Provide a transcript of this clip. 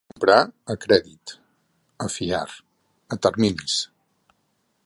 Comprar a crèdit, a fiar, a terminis.